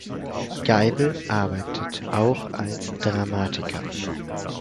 Geibel arbeitete auch als Dramatiker.